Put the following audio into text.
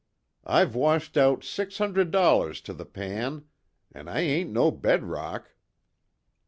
I've washed out six hundred dollars to the pan! An' I ain't to bed rock!"